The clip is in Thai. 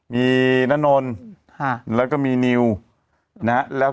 มีน่านนแล้วก็มีนิว